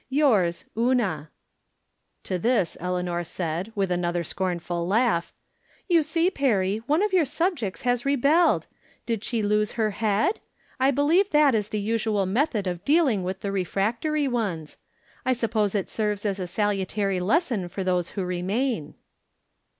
Yours, Una. To this Eleanor said, with another scornful laugh :" You see, Perry, one of your subjects has re I'rom Different Standpoints. 185 belled. Will she lose lier head ? I believe that is the usual method of dealing with the refractory ones. I suppose it serves as a salutary lesson for those who remain."